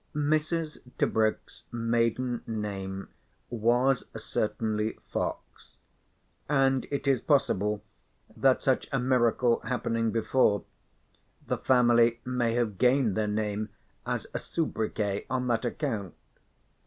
Mrs. Tebrick's maiden name was certainly Fox, and it is possible that such a miracle happening before, the family may have gained their name as a soubriquet on that account.